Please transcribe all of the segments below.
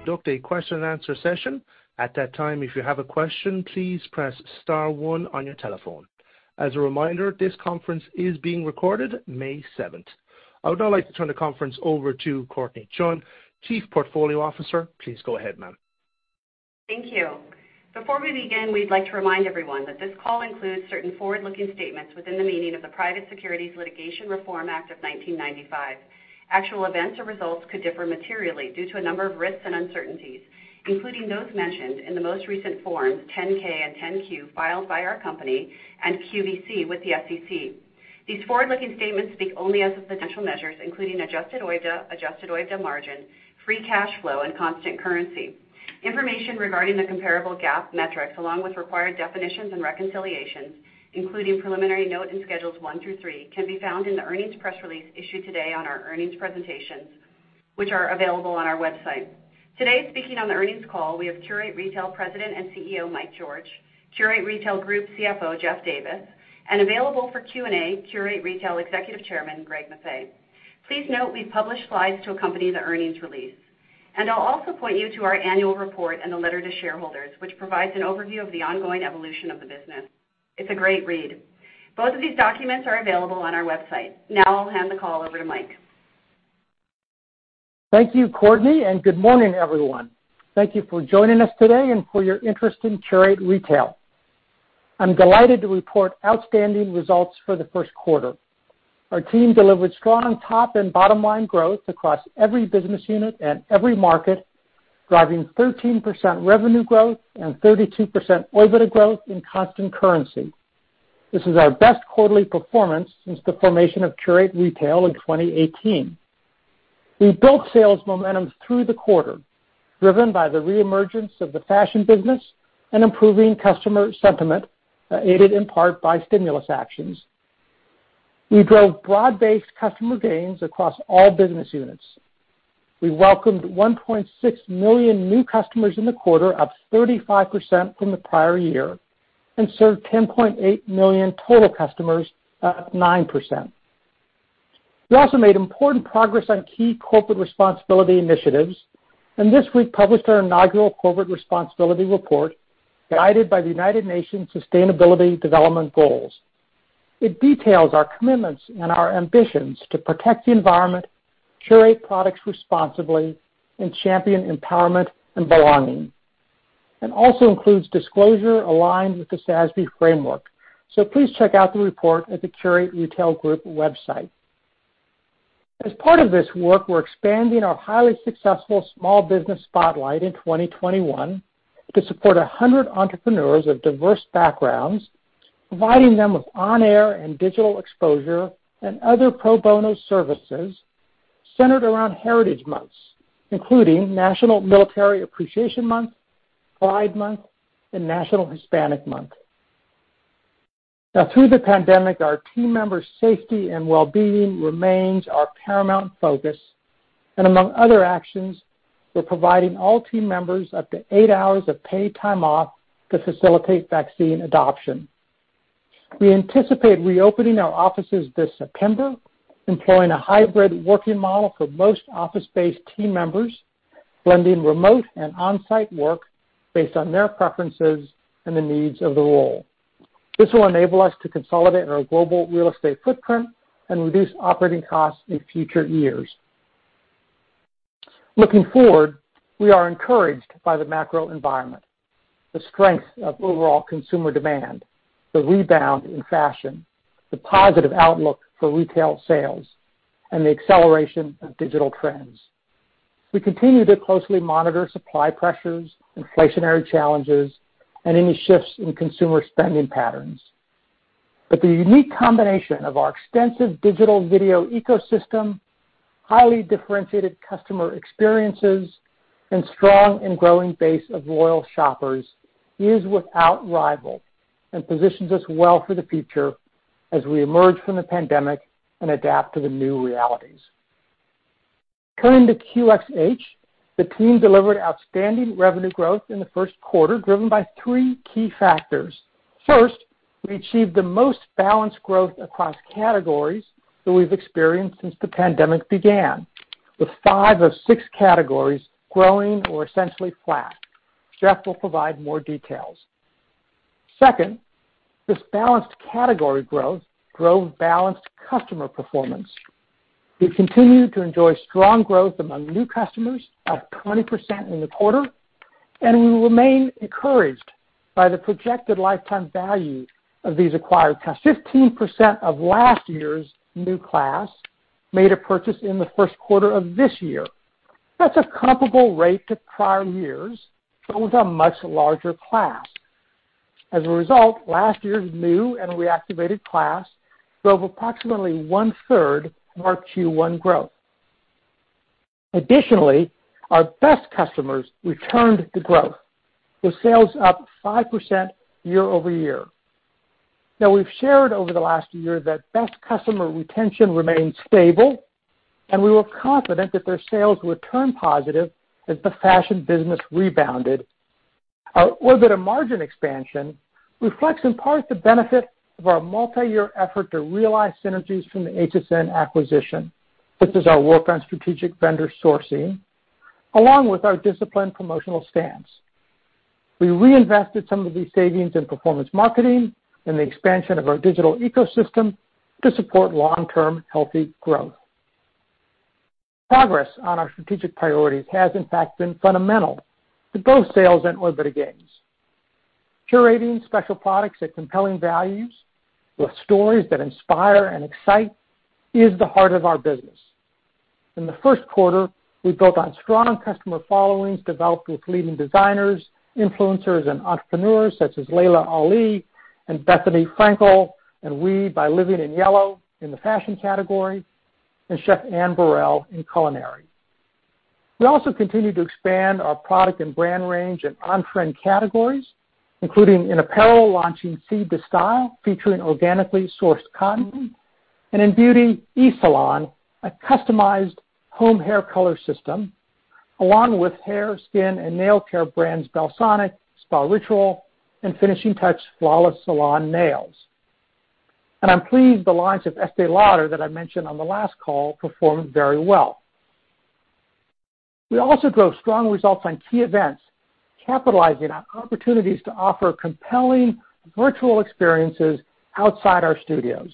Ladies and gentlemen, thank you for standing by, and welcome to the Qurate Retail 2021 Q1 Earnings Call. During the presentation, all participants will be in a listen-only mode. Afterwards, we will conduct a question and answer session. At that time, if you have a question, please press star one on your telephone. As a reminder, this conference is being recorded May 7th. I would now like to turn the conference over to Courtnee Chun, Chief Portfolio Officer. Please go ahead, ma'am. Thank you. Before we begin, we'd like to remind everyone that this call includes certain forward-looking statements within the meaning of the Private Securities Litigation Reform Act of 1995. Actual events or results could differ materially due to a number of risks and uncertainties, including those mentioned in the most recent forms, 10-K and 10-Q, filed by our company and QVC with the SEC. These forward-looking statements speak only as of the financial measures, including Adjusted OIBDA, Adjusted OIBDA margin, free cash flow, and constant currency. Information regarding the comparable GAAP metrics, along with required definitions and reconciliations, including preliminary note and schedules one through three, can be found in the earnings press release issued today on our earnings presentations, which are available on our website. Today speaking on the earnings call, we have Qurate Retail President and CEO, Mike George, Qurate Retail Group CFO, Jeff Davis, and available for Q&A, Qurate Retail Executive Chairman, Greg Maffei. Please note we've published slides to accompany the earnings release. I'll also point you to our annual report and the letter to shareholders, which provides an overview of the ongoing evolution of the business. It's a great read. Both of these documents are available on our website. I'll hand the call over to Mike. Thank you, Courtnee, and good morning, everyone. Thank you for joining us today and for your interest in Qurate Retail. I'm delighted to report outstanding results for the first quarter. Our team delivered strong top and bottom-line growth across every business unit and every market, driving 13% revenue growth and 32% OIBDA growth in constant currency. This is our best quarterly performance since the formation of Qurate Retail in 2018. We built sales momentum through the quarter, driven by the reemergence of the fashion business and improving customer sentiment, aided in part by stimulus actions. We drove broad-based customer gains across all business units. We welcomed 1.6 million new customers in the quarter, up 35% from the prior year, and served 10.8 million total customers, up 9%. We also made important progress on key corporate responsibility initiatives, and this week published our inaugural corporate responsibility report, guided by the United Nations Sustainable Development Goals. It details our commitments and our ambitions to protect the environment, curate products responsibly, and champion empowerment and belonging. It also includes disclosure aligned with the SASB framework. Please check out the report at the Qurate Retail Group website. As part of this work, we're expanding our highly successful Small Business Spotlight in 2021 to support 100 entrepreneurs of diverse backgrounds, providing them with on-air and digital exposure and other pro bono services centered around heritage months, including National Military Appreciation Month, Pride Month, and National Hispanic Heritage Month. Through the pandemic, our team members' safety and wellbeing remains our paramount focus, and among other actions, we're providing all team members up to eight hours of paid time off to facilitate vaccine adoption. We anticipate reopening our offices this September, employing a hybrid working model for most office-based team members, blending remote and on-site work based on their preferences and the needs of the role. This will enable us to consolidate our global real estate footprint and reduce operating costs in future years. Looking forward, we are encouraged by the macro environment, the strength of overall consumer demand, the rebound in fashion, the positive outlook for retail sales, and the acceleration of digital trends. We continue to closely monitor supply pressures, inflationary challenges, and any shifts in consumer spending patterns. The unique combination of our extensive digital video ecosystem, highly differentiated customer experiences, and strong and growing base of loyal shoppers is without rival and positions us well for the future as we emerge from the pandemic and adapt to the new realities. Turning to QxH, the team delivered outstanding revenue growth in the first quarter, driven by three key factors. First, we achieved the most balanced growth across categories that we've experienced since the pandemic began, with five of six categories growing or essentially flat. Jeff will provide more details. Second, this balanced category growth drove balanced customer performance. We continued to enjoy strong growth among new customers, up 20% in the quarter, and we remain encouraged by the projected lifetime value of these acquired customers. 15% of last year's new class made a purchase in the first quarter of this year. That's a comparable rate to prior years but with a much larger class. As a result, last year's new and reactivated class drove approximately 1/3 of our Q1 growth. Additionally, our best customers returned to growth, with sales up 5% year-over-year. Now we've shared over the last year that best customer retention remains stable, and we were confident that their sales would turn positive as the fashion business rebounded. Our operating margin expansion reflects in part the benefit of our multi-year effort to realize synergies from the HSN acquisition, such as our work on strategic vendor sourcing, along with our disciplined promotional stance. We reinvested some of these savings in performance marketing and the expansion of our digital ecosystem to support long-term healthy growth. Progress on our strategic priorities has in fact been fundamental to both sales and operating gains. Curating special products at compelling values with stories that inspire and excite is the heart of our business. In the first quarter, we built on strong customer followings developed with leading designers, influencers, and entrepreneurs such as Laila Ali and Bethenny Frankel, and WE by Living in Yellow in the fashion category, and Chef Anne Burrell in culinary. We also continued to expand our product and brand range in on-trend categories, including in apparel launching Seed to Style, featuring organically sourced cotton, and in beauty, eSalon, a customized home hair color system, along with hair, skin, and nail care brands Bellasonic, SpaRitual, and Finishing Touch Flawless Salon Nails. I'm pleased the lines of Estée Lauder that I mentioned on the last call performed very well. We also drove strong results on key events, capitalizing on opportunities to offer compelling virtual experiences outside our studios.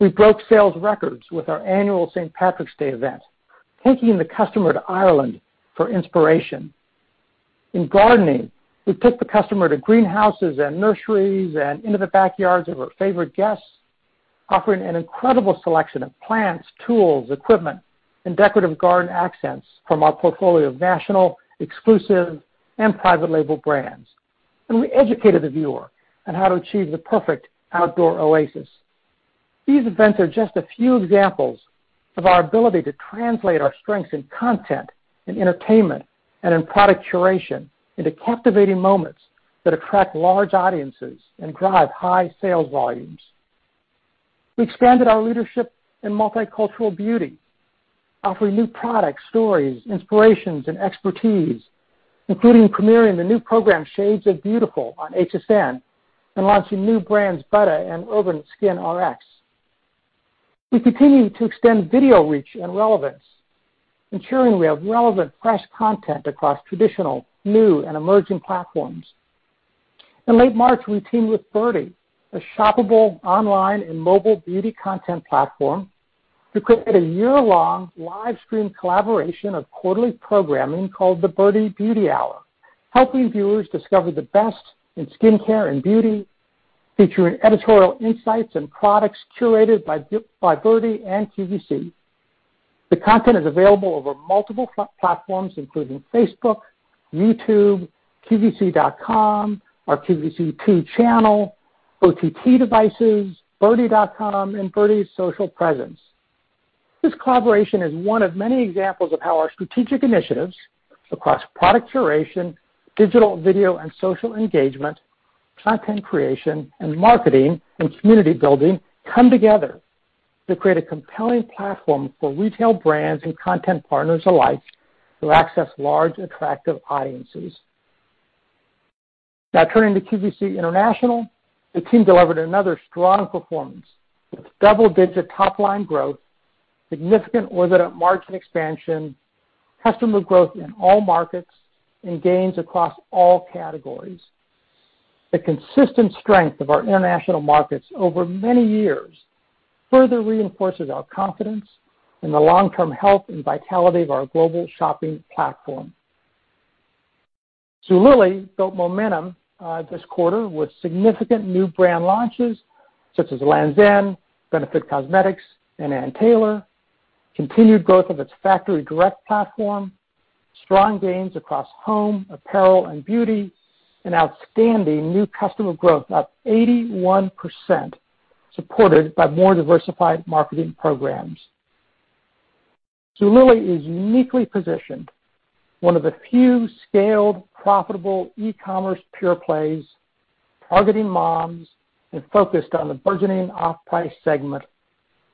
We broke sales records with our annual St. Patrick's Day event, taking the customer to Ireland for inspiration. In gardening, we took the customer to greenhouses and nurseries and into the backyards of our favorite guests, offering an incredible selection of plants, tools, equipment, and decorative garden accents from our portfolio of national, exclusive, and private label brands. We educated the viewer on how to achieve the perfect outdoor oasis. These events are just a few examples of our ability to translate our strengths in content and entertainment and in product curation into captivating moments that attract large audiences and drive high sales volumes. We expanded our leadership in multicultural beauty, offering new products, stories, inspirations, and expertise, including premiering the new program, Shades of Beautiful, on HSN and launching new brands Buttah and Urban Skin Rx. We continue to extend video reach and relevance, ensuring we have relevant, fresh content across traditional, new, and emerging platforms. In late March, we teamed with Byrdie, a shoppable online and mobile beauty content platform, to create a year-long live stream collaboration of quarterly programming called the Byrdie Beauty Hour, helping viewers discover the best in skincare and beauty, featuring editorial insights and products curated by Byrdie and QVC. The content is available over multiple platforms, including Facebook, YouTube, QVC.com, our QVC2 channel, OTT devices, byrdie.com, and Byrdie's social presence. This collaboration is one of many examples of how our strategic initiatives across product curation, digital video and social engagement, content creation, and marketing and community building come together to create a compelling platform for retail brands and content partners alike to access large attractive audiences. Now turning to QVC International, the team delivered another strong performance with double-digit top-line growth, significant operating margin expansion, customer growth in all markets, and gains across all categories. The consistent strength of our international markets over many years further reinforces our confidence in the long-term health and vitality of our global shopping platform. Zulily built momentum this quarter with significant new brand launches such as Lands' End, Benefit Cosmetics, and Ann Taylor, continued growth of its factory direct platform, strong gains across home, apparel, and beauty, and outstanding new customer growth up 81%, supported by more diversified marketing programs. Zulily is uniquely positioned, one of the few scaled, profitable e-commerce pure plays targeting moms and focused on the burgeoning off-price segment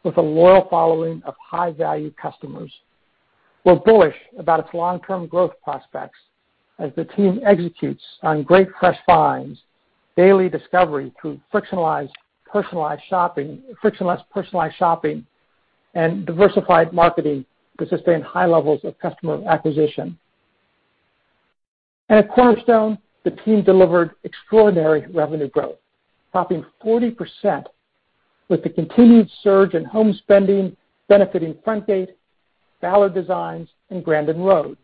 with a loyal following of high-value customers. We're bullish about its long-term growth prospects as the team executes on great fresh finds, daily discovery through frictionless personalized shopping, and diversified marketing to sustain high levels of customer acquisition. At Cornerstone, the team delivered extraordinary revenue growth, topping 40% with the continued surge in home spending benefiting Frontgate, Ballard Designs, and Grandin Road.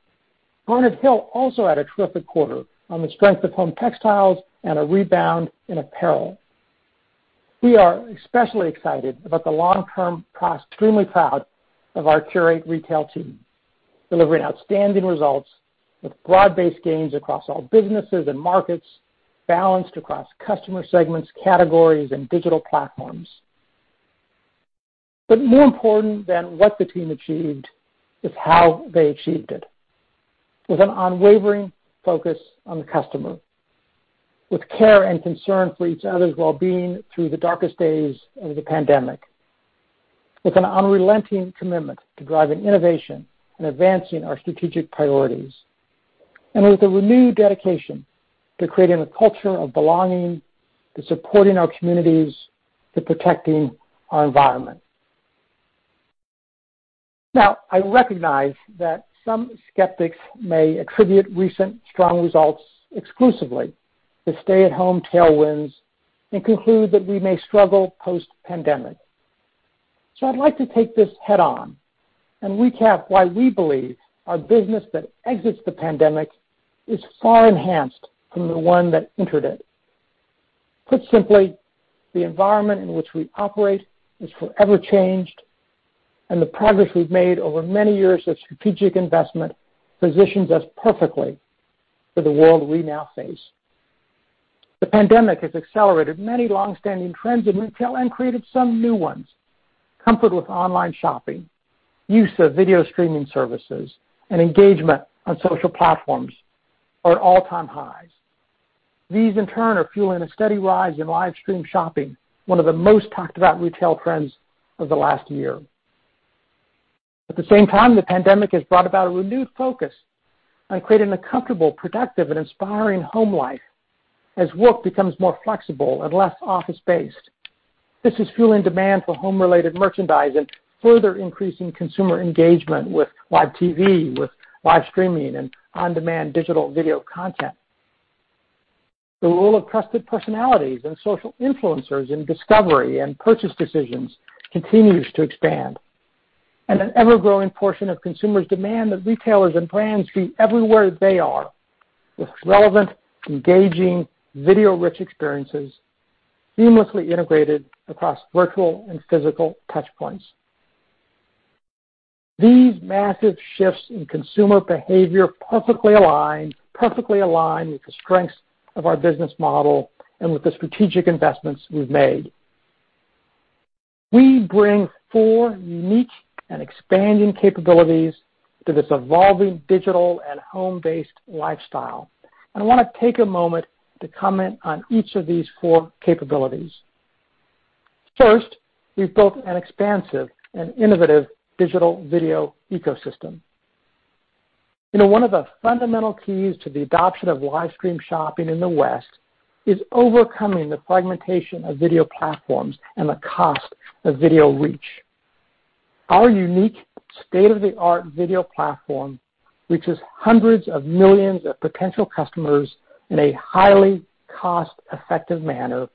Garnet Hill also had a terrific quarter on the strength of home textiles and a rebound in apparel. We are especially excited about the long-term extremely proud of our Qurate Retail team, delivering outstanding results with broad-based gains across all businesses and markets, balanced across customer segments, categories, and digital platforms. More important than what the team achieved is how they achieved it. With an unwavering focus on the customer, with care and concern for each other's well-being through the darkest days of the pandemic. With an unrelenting commitment to driving innovation and advancing our strategic priorities, and with a renewed dedication to creating a culture of belonging, to supporting our communities, to protecting our environment. I recognize that some skeptics may attribute recent strong results exclusively to stay-at-home tailwinds and conclude that we may struggle post-pandemic. I'd like to take this head-on and recap why we believe our business that exits the pandemic is far enhanced from the one that entered it. Put simply, the environment in which we operate is forever changed, and the progress we've made over many years of strategic investment positions us perfectly for the world we now face. The pandemic has accelerated many longstanding trends in retail and created some new ones. Comfort with online shopping, use of video streaming services, and engagement on social platforms are at all-time highs. These, in turn, are fueling a steady rise in live stream shopping, one of the most talked about retail trends of the last year. At the same time, the pandemic has brought about a renewed focus on creating a comfortable, productive, and inspiring home life as work becomes more flexible and less office-based. This is fueling demand for home-related merchandise and further increasing consumer engagement with live TV, with live streaming, and on-demand digital video content. The role of trusted personalities and social influencers in discovery and purchase decisions continues to expand. An ever-growing portion of consumers demand that retailers and brands be everywhere they are with relevant, engaging, video-rich experiences seamlessly integrated across virtual and physical touchpoints. These massive shifts in consumer behavior perfectly align with the strengths of our business model and with the strategic investments we've made. We bring four unique and expanding capabilities to this evolving digital and home-based lifestyle. I want to take a moment to comment on each of these four capabilities. First, we've built an expansive and innovative digital video ecosystem. One of the fundamental keys to the adoption of live stream shopping in the West is overcoming the fragmentation of video platforms and the cost of video reach. Our unique state-of-the-art video platform reaches hundreds of millions of potential customers in a highly cost-effective manner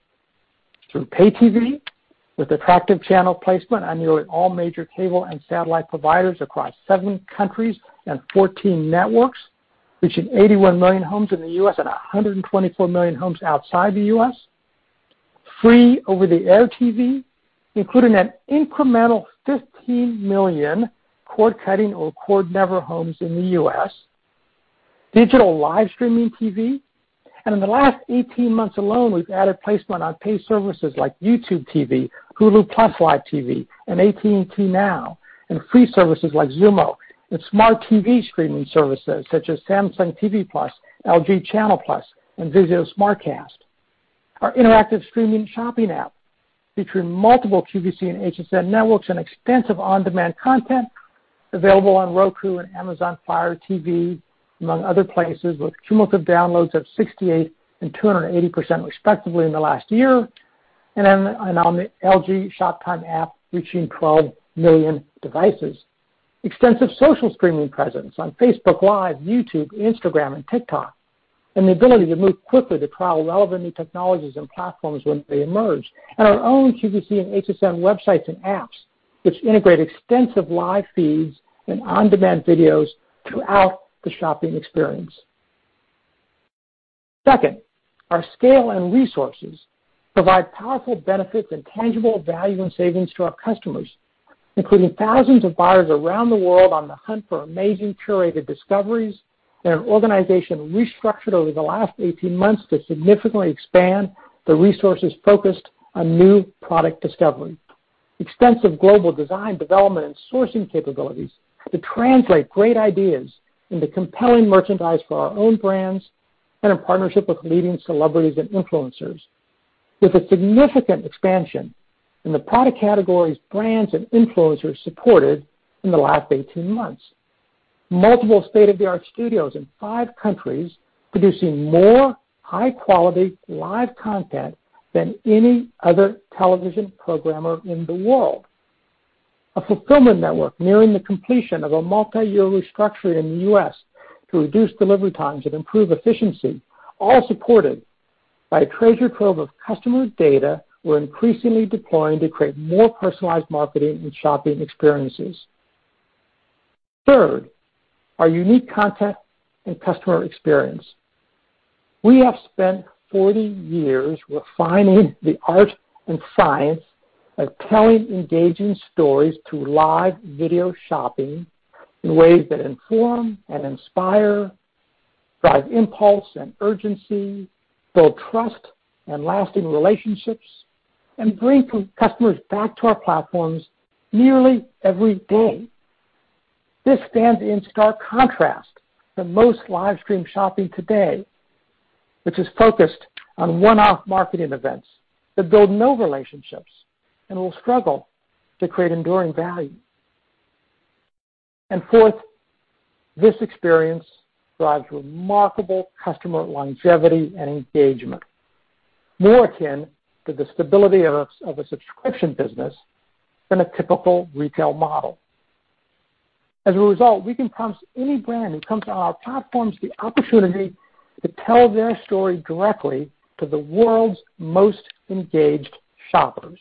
through pay TV, with attractive channel placement on nearly all major cable and satellite providers across seven countries and 14 networks, reaching 81 million homes in the U.S. and 124 million homes outside the U.S. Free over-the-air TV, including an incremental 15 million cord-cutting or cord-never homes in the U.S. Digital live streaming TV. In the last 18 months alone, we've added placement on paid services like YouTube TV, Hulu + Live TV, and AT&T TV Now, and free services like Xumo and smart TV streaming services such as Samsung TV Plus, LG Channel Plus, and Vizio SmartCast. Our interactive streaming shopping app, featuring multiple QVC and HSN networks and extensive on-demand content available on Roku and Amazon Fire TV, among other places, with cumulative downloads of 68% and 280% respectively in the last year. On the LG ShopTime app, reaching 12 million devices. Extensive social streaming presence on Facebook Live, YouTube, Instagram, and TikTok, and the ability to move quickly to trial relevant new technologies and platforms when they emerge. Our own QVC and HSN websites and apps, which integrate extensive live feeds and on-demand videos throughout the shopping experience. Second, our scale and resources provide powerful benefits and tangible value and savings to our customers, including thousands of buyers around the world on the hunt for amazing curated discoveries, an organization restructured over the last 18 months to significantly expand the resources focused on new product discovery, extensive global design, development, and sourcing capabilities to translate great ideas into compelling merchandise for our own brands and in partnership with leading celebrities and influencers with a significant expansion in the product categories, brands, and influencers supported in the last 18 months, and multiple state-of-the-art studios in five countries producing more high-quality live content than any other television programmer in the world. A fulfillment network nearing the completion of a multi-year restructuring in the U.S. to reduce delivery times and improve efficiency, all supported by a treasure trove of customer data we're increasingly deploying to create more personalized marketing and shopping experiences. Third, our unique content and customer experience. We have spent 40 years refining the art and science of telling engaging stories through live video shopping in ways that inform and inspire, drive impulse and urgency, build trust and lasting relationships, and bring customers back to our platforms nearly every day. This stands in stark contrast to most live stream shopping today, which is focused on one-off marketing events that build no relationships and will struggle to create enduring value. Fourth, this experience drives remarkable customer longevity and engagement, more akin to the stability of a subscription business than a typical retail model. As a result, we can promise any brand that comes to our platforms the opportunity to tell their story directly to the world's most engaged shoppers.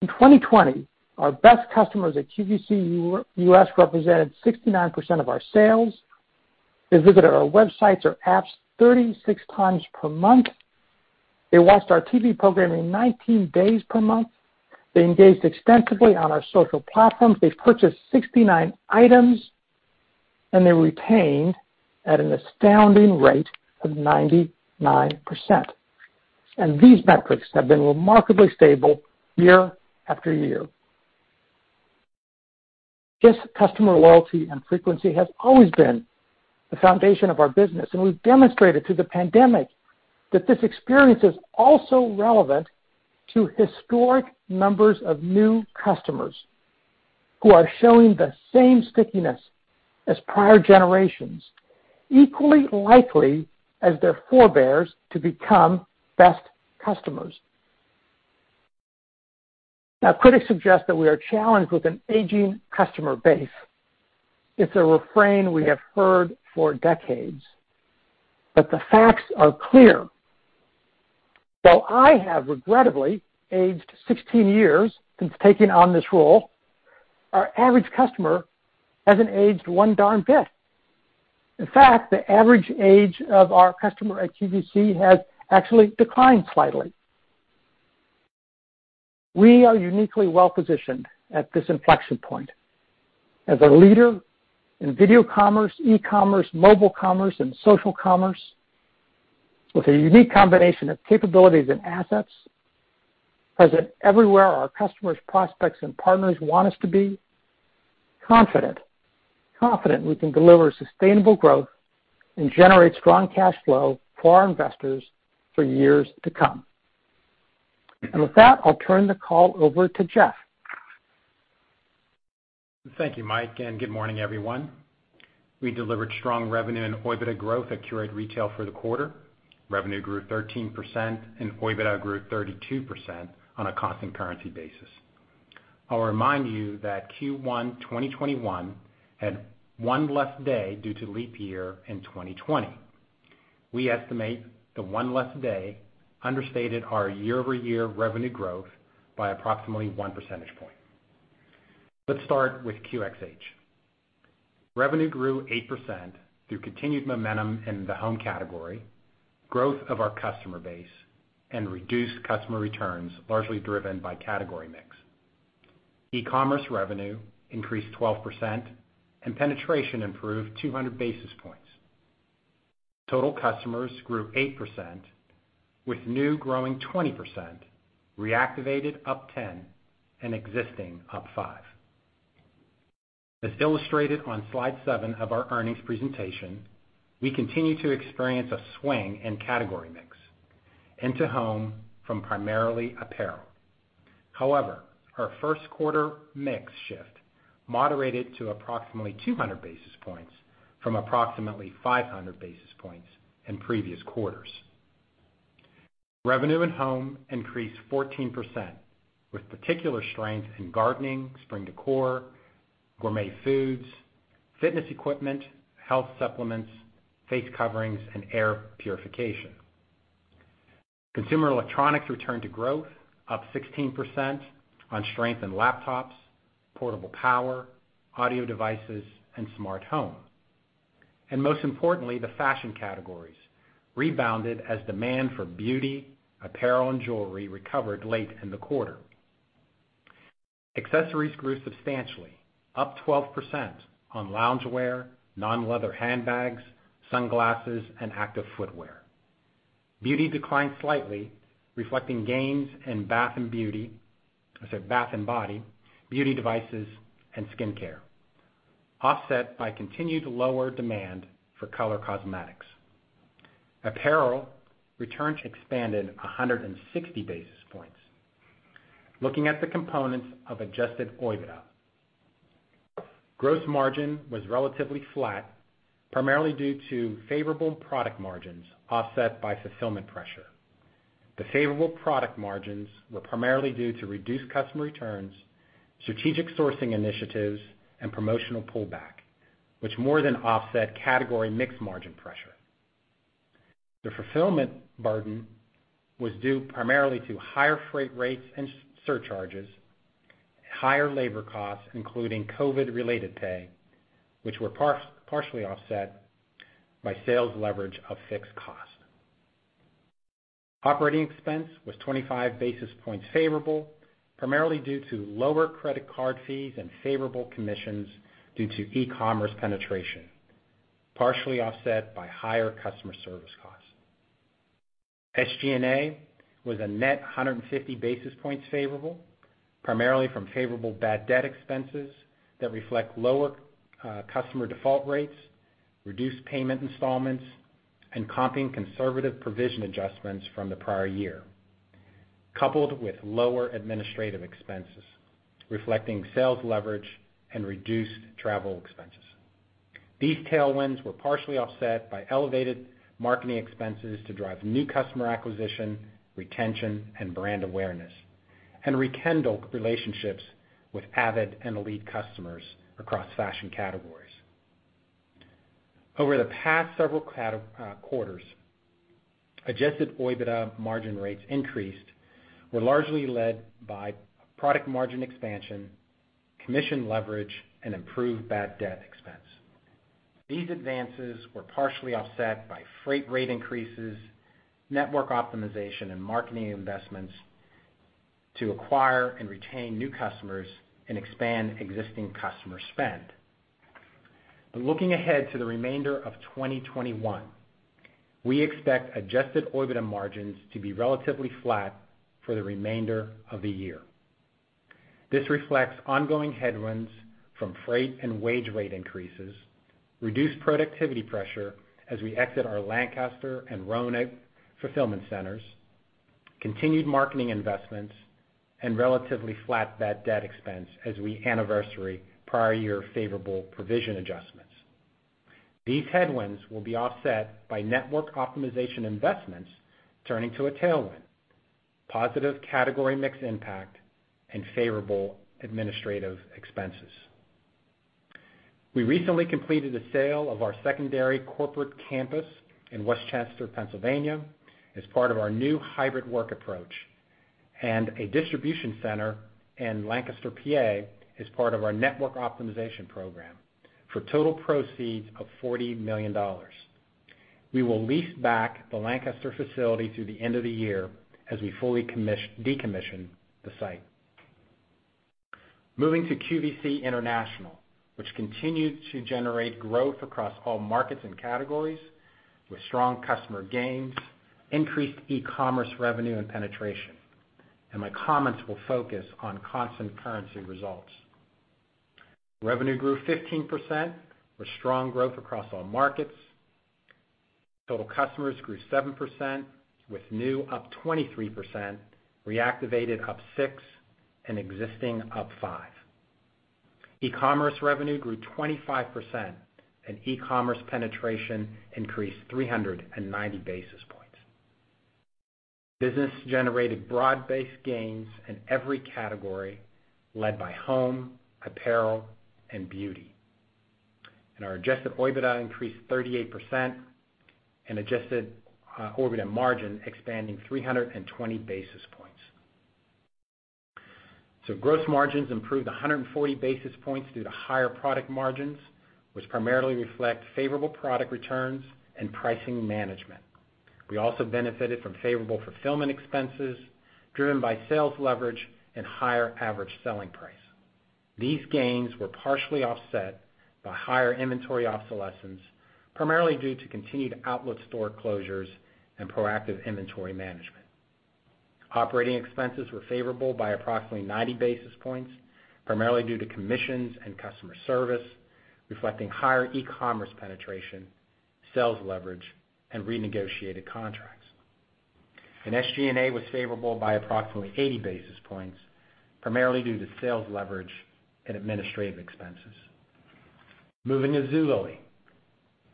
In 2020, our best customers at QVC US represented 69% of our sales. They visited our websites or apps 36 times per month. They watched our TV programming 19 days per month. They engaged extensively on our social platforms. They purchased 69 items, and they retained at an astounding rate of 99%. These metrics have been remarkably stable year after year. This customer loyalty and frequency has always been the foundation of our business, and we've demonstrated through the pandemic that this experience is also relevant to historic numbers of new customers, who are showing the same stickiness as prior generations, equally likely as their forebearers to become best customers. Now, critics suggest that we are challenged with an aging customer base. It's a refrain we have heard for decades. The facts are clear. While I have regrettably aged 16 years since taking on this role, our average customer hasn't aged one darn bit. In fact, the average age of our customer at QVC has actually declined slightly. We are uniquely well-positioned at this inflection point. As a leader in video commerce, e-commerce, mobile commerce, and social commerce, with a unique combination of capabilities and assets, present everywhere our customers, prospects, and partners want us to be, confident we can deliver sustainable growth and generate strong cash flow for our investors for years to come. With that, I'll turn the call over to Jeff. Thank you, Mike. Good morning, everyone. We delivered strong revenue and OIBDA growth at Qurate Retail for the quarter. Revenue grew 13% and OIBDA grew 32% on a constant currency basis. I'll remind you that Q1 2021 had one less day due to leap year in 2020. We estimate the one less day understated our year-over-year revenue growth by approximately one percentage point. Let's start with QxH. Revenue grew 8% through continued momentum in the home category, growth of our customer base, and reduced customer returns, largely driven by category mix. e-commerce revenue increased 12% and penetration improved 200 basis points. Total customers grew 8%, with new growing 20%, reactivated up 10%, and existing up 5%. As illustrated on slide seven of our earnings presentation, we continue to experience a swing in category mix into home from primarily apparel. However, our first quarter mix shift moderated to approximately 200 basis points from approximately 500 basis points in previous quarters. Revenue in home increased 14%, with particular strength in gardening, spring decor, gourmet foods, fitness equipment, health supplements, face coverings, and air purification. Consumer electronics returned to growth up 16% on strength in laptops, portable power, audio devices, and smart home. Most importantly, the fashion categories rebounded as demand for beauty, apparel, and jewelry recovered late in the quarter. Accessories grew substantially, up 12% on loungewear, non-leather handbags, sunglasses, and active footwear. Beauty declined slightly, reflecting gains in bath and body, beauty devices, and skincare, offset by continued lower demand for color cosmetics. Apparel return expanded 160 basis points. Looking at the components of Adjusted OIBDA. Gross margin was relatively flat, primarily due to favorable product margins offset by fulfillment pressure. The favorable product margins were primarily due to reduced customer returns, strategic sourcing initiatives, and promotional pullback, which more than offset category mix margin pressure. The fulfillment burden was due primarily to higher freight rates and surcharges, higher labor costs, including COVID-related pay, which were partially offset by sales leverage of fixed costs. Operating expense was 25 basis points favorable, primarily due to lower credit card fees and favorable commissions due to e-commerce penetration, partially offset by higher customer service costs. SG&A was a net 150 basis points favorable, primarily from favorable bad debt expenses that reflect lower customer default rates, reduced payment installments, and comping conservative provision adjustments from the prior year, coupled with lower administrative expenses reflecting sales leverage and reduced travel expenses. These tailwinds were partially offset by elevated marketing expenses to drive new customer acquisition, retention, and brand awareness, and rekindle relationships with avid and elite customers across fashion categories. Over the past several quarters, Adjusted OIBDA margin rates increased, were largely led by product margin expansion, commission leverage, and improved bad debt expense. These advances were partially offset by freight rate increases, network optimization, and marketing investments to acquire and retain new customers and expand existing customer spend. Looking ahead to the remainder of 2021, we expect Adjusted OIBDA margins to be relatively flat for the remainder of the year. This reflects ongoing headwinds from freight and wage rate increases, reduced productivity pressure as we exit our Lancaster and Roanoke fulfillment centers, continued marketing investments, and relatively flat bad debt expense as we anniversary prior year favorable provision adjustments. These headwinds will be offset by network optimization investments turning to a tailwind, positive category mix impact, and favorable administrative expenses. We recently completed a sale of our secondary corporate campus in West Chester, PA, as part of our new hybrid work approach, and a distribution center in Lancaster, PA, as part of our network optimization program for total proceeds of $40 million. We will lease back the Lancaster facility through the end of the year as we fully decommission the site. Moving to QVC International, which continued to generate growth across all markets and categories with strong customer gains, increased e-commerce revenue and penetration, and my comments will focus on constant currency results. Revenue grew 15% with strong growth across all markets. Total customers grew 7%, with new up 23%, reactivated up six, and existing up five. E-commerce revenue grew 25%, and e-commerce penetration increased 390 basis points. Business generated broad-based gains in every category, led by home, apparel, and beauty. Our Adjusted OIBDA increased 38%, and Adjusted OIBDA margin expanding 320 basis points. Gross margins improved 140 basis points due to higher product margins, which primarily reflect favorable product returns and pricing management. We also benefited from favorable fulfillment expenses driven by sales leverage and higher average selling price. These gains were partially offset by higher inventory obsolescence, primarily due to continued outlet store closures and proactive inventory management. Operating expenses were favorable by approximately 90 basis points, primarily due to commissions and customer service, reflecting higher e-commerce penetration, sales leverage, and renegotiated contracts. SG&A was favorable by approximately 80 basis points, primarily due to sales leverage and administrative expenses. Moving to Zulily.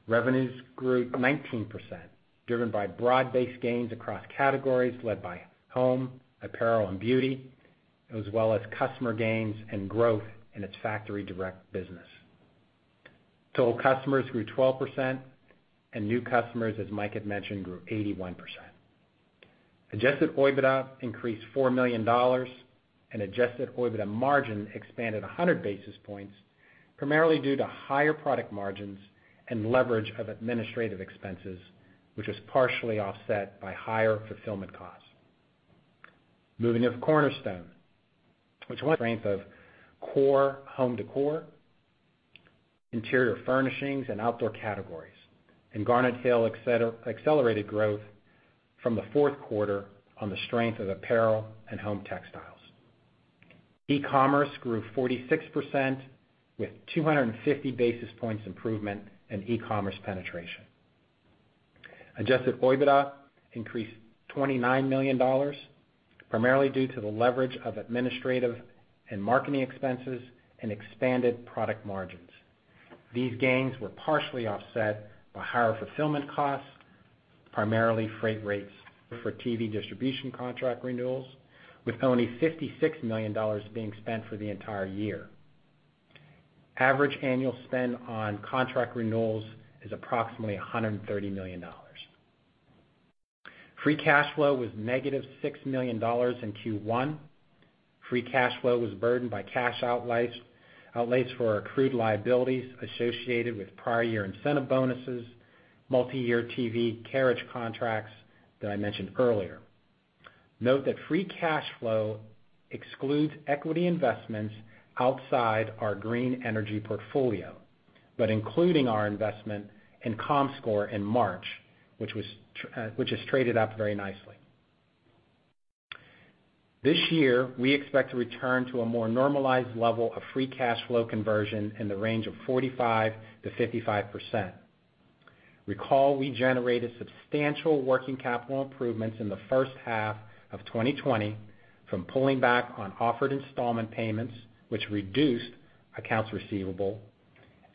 Revenues grew 19%, driven by broad-based gains across categories led by home, apparel, and beauty, as well as customer gains and growth in its factory direct business. Total customers grew 12%, and new customers, as Mike had mentioned, grew 81%. Adjusted OIBDA increased $4 million, and Adjusted OIBDA margin expanded 100 basis points, primarily due to higher product margins and leverage of administrative expenses, which was partially offset by higher fulfillment costs. Moving to Cornerstone, which strength of core home decor, interior furnishings, and outdoor categories, and Garnet Hill accelerated growth from the fourth quarter on the strength of apparel and home textiles. e-commerce grew 46%, with 250 basis points improvement in e-commerce penetration. Adjusted OIBDA increased $29 million, primarily due to the leverage of administrative and marketing expenses and expanded product margins. These gains were partially offset by higher fulfillment costs, primarily freight rates for TV distribution contract renewals, with only $56 million being spent for the entire year. Average annual spend on contract renewals is approximately $130 million. Free cash flow was negative $6 million in Q1. Free cash flow was burdened by cash outlays for accrued liabilities associated with prior year incentive bonuses, multi-year TV carriage contracts that I mentioned earlier. Note that free cash flow excludes equity investments outside our green energy portfolio, but including our investment in Comscore in March, which has traded up very nicely. This year, we expect to return to a more normalized level of free cash flow conversion in the range of 45%-55%. Recall, we generated substantial working capital improvements in the first half of 2020 from pulling back on offered installment payments, which reduced accounts receivable,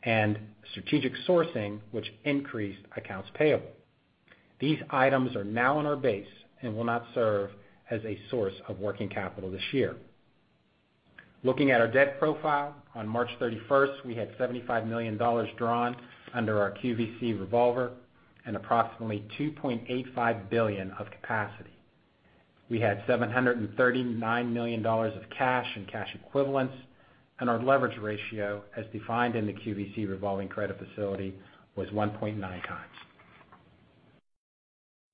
and strategic sourcing, which increased accounts payable. These items are now in our base and will not serve as a source of working capital this year. Looking at our debt profile, on March 31st, we had $75 million drawn under our QVC revolver and approximately $2.85 billion of capacity. We had $739 million of cash and cash equivalents, and our leverage ratio, as defined in the QVC revolving credit facility, was 1.9x.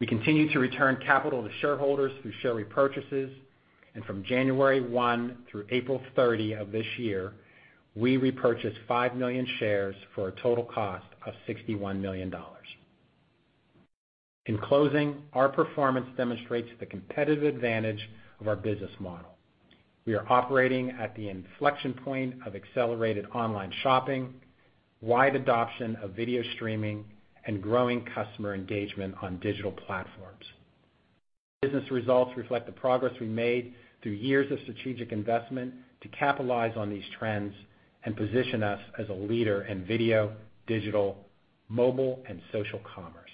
We continue to return capital to shareholders through share repurchases, and from January 1 through April 30 of this year, we repurchased 5 million shares for a total cost of $61 million. In closing, our performance demonstrates the competitive advantage of our business model. We are operating at the inflection point of accelerated online shopping, wide adoption of video streaming, and growing customer engagement on digital platforms. Business results reflect the progress we made through years of strategic investment to capitalize on these trends and position us as a leader in video, digital, mobile, and social commerce.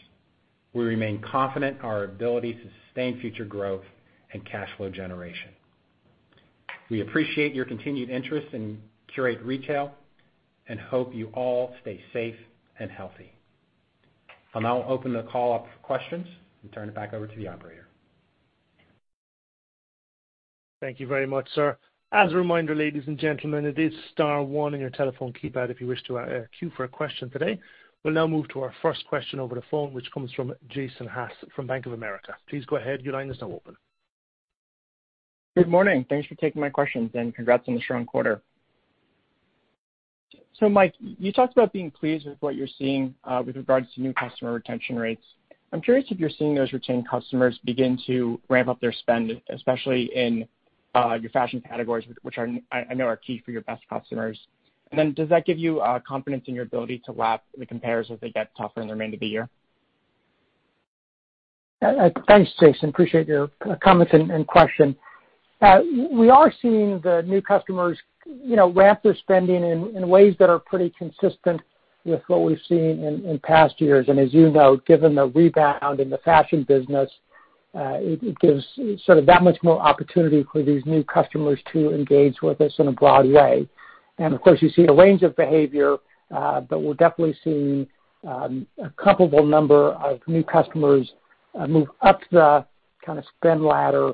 We remain confident in our ability to sustain future growth and cash flow generation. We appreciate your continued interest in Qurate Retail and hope you all stay safe and healthy. I will now open the call up for questions and turn it back over to the operator. Thank you very much, sir. As a reminder, ladies and gentlemen, it is star one on your telephone keypad if you wish to queue for a question today. We'll now move to our first question over the phone, which comes from Jason Haas from Bank of America. Please go ahead. Your line is now open. Good morning. Thanks for taking my questions, and congrats on the strong quarter. Mike, you talked about being pleased with what you're seeing with regards to new customer retention rates. I'm curious if you're seeing those retained customers begin to ramp up their spend, especially in your fashion categories, which I know are key for your best customers. Then does that give you confidence in your ability to lap the compares as they get tougher in the remainder of the year? Thanks, Jason. Appreciate your comments and question. We are seeing the new customers ramp their spending in ways that are pretty consistent with what we've seen in past years. As you know, given the rebound in the fashion business, it gives sort of that much more opportunity for these new customers to engage with us in a broad way. Of course, you see a range of behavior, but we're definitely seeing a comparable number of new customers move up the kind of spend ladder,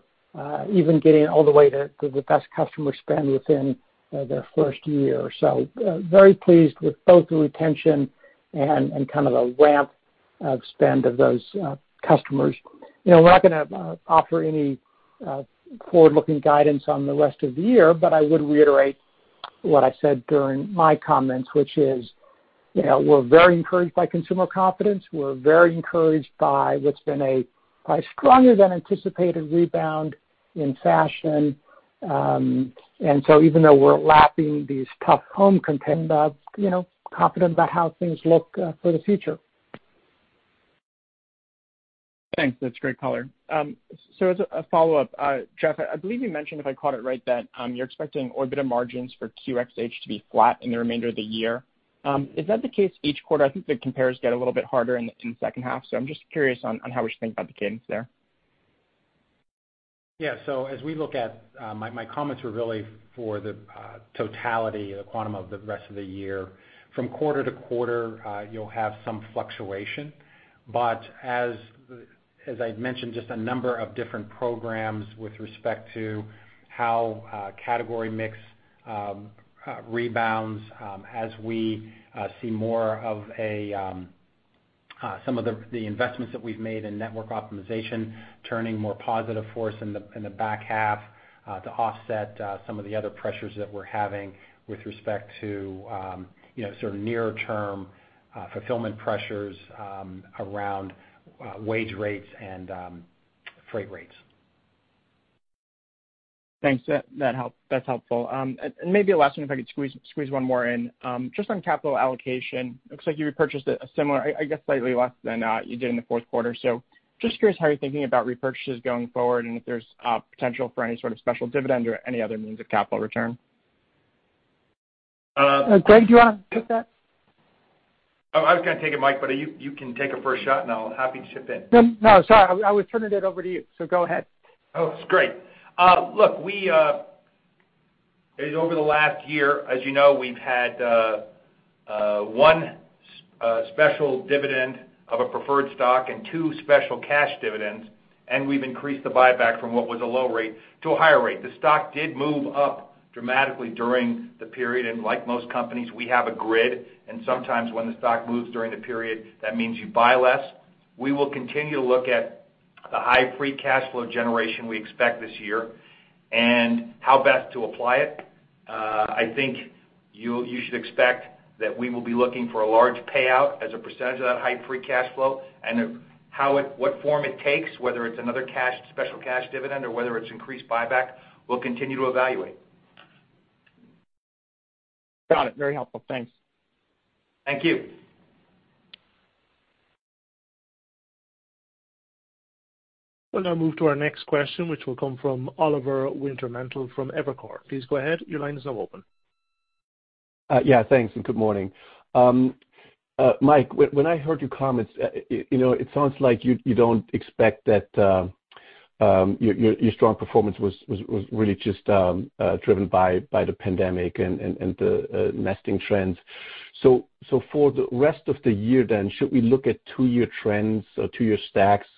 even getting all the way to the best customer spend within their first year. Very pleased with both the retention and kind of the ramp of spend of those customers. We're not going to offer any forward-looking guidance on the rest of the year, but I would reiterate what I said during my comments, which is we're very encouraged by consumer confidence. We're very encouraged by what's been a probably stronger than anticipated rebound in fashion. Even though we're lapping these tough home compares, confident about how things look for the future. Thanks. That's great color. As a follow-up, Jeff, I believe you mentioned, if I caught it right, that you're expecting OIBDA margins for QxH to be flat in the remainder of the year. Is that the case each quarter? I think the compares get a little bit harder in the second half. I'm just curious on how we should think about the cadence there. Yeah. My comments were really for the totality or the quantum of the rest of the year. From quarter to quarter, you'll have some fluctuation. As I'd mentioned, just a number of different programs with respect to how category mix rebounds as we see more of some of the investments that we've made in network optimization turning more positive for us in the back half to offset some of the other pressures that we're having with respect to sort of near term fulfillment pressures around wage rates and freight rates. Thanks. That's helpful. Maybe a last one, if I could squeeze one more in. Just on capital allocation, looks like you repurchased a similar, I guess, slightly less than you did in the fourth quarter. Just curious how you're thinking about repurchases going forward and if there's potential for any sort of special dividend or any other means of capital return. Greg, do you want to take that? Oh, I was going to take it, Mike, but you can take a first shot, and I'll be happy to chip in. No, sorry. I was turning it over to you, so go ahead. That's great. Over the last year, as you know, we've had one special dividend of a preferred stock and two special cash dividends, and we've increased the buyback from what was a low rate to a higher rate. The stock did move up dramatically during the period, and like most companies, we have a grid, and sometimes when the stock moves during the period, that means you buy less. We will continue to look at the high free cash flow generation we expect this year and how best to apply it. I think you should expect that we will be looking for a large payout as a percentage of that high free cash flow. What form it takes, whether it's another special cash dividend or whether it's increased buyback, we'll continue to evaluate. Got it. Very helpful. Thanks. Thank you. We'll now move to our next question, which will come from Oliver Wintermantel from Evercore. Please go ahead. Your line is now open. Yeah, thanks. Good morning. Mike, when I heard your comments, it sounds like you don't expect that your strong performance was really just driven by the pandemic and the nesting trends. For the rest of the year then, should we look at two-year trends or two-year stacks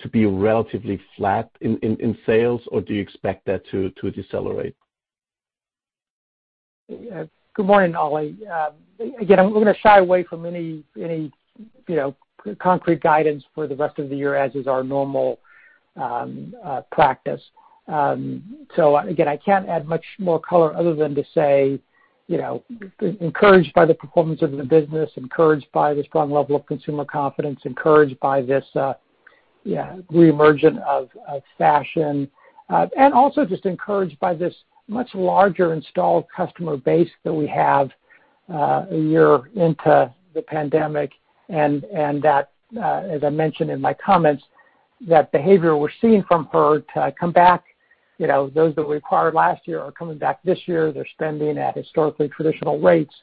to be relatively flat in sales, or do you expect that to decelerate? Good morning, Oli. I'm going to shy away from any concrete guidance for the rest of the year, as is our normal practice. I can't add much more color other than to say, encouraged by the performance of the business, encouraged by the strong level of consumer confidence, encouraged by this re-emergent of fashion. Also just encouraged by this much larger installed customer base that we have a year into the pandemic. That, as I mentioned in my comments, that behavior we're seeing from her to come back, those that we acquired last year are coming back this year. They're spending at historically traditional rates.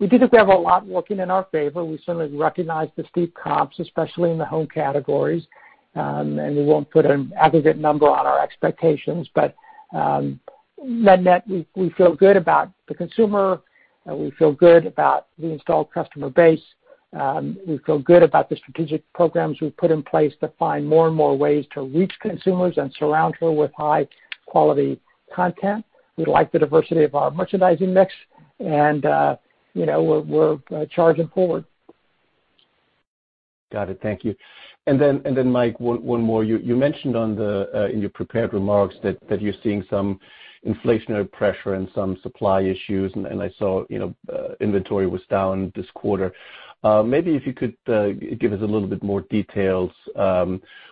We do think we have a lot working in our favor. We certainly recognize the steep comps, especially in the home categories. We won't put an aggregate number on our expectations. Net net, we feel good about the consumer. We feel good about the installed customer base. We feel good about the strategic programs we've put in place to find more and more ways to reach consumers and surround her with high-quality content. We like the diversity of our merchandising mix. We're charging forward. Got it. Thank you. Mike, one more. You mentioned in your prepared remarks that you're seeing some inflationary pressure and some supply issues, and I saw inventory was down this quarter. Maybe if you could give us a little bit more details